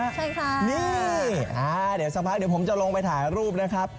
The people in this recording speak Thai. ใช่ค่ะนี่เดี๋ยวสักพักเดี๋ยวผมจะลงไปถ่ายรูปนะครับ